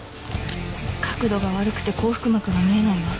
角度が悪くて後腹膜が見えないわ。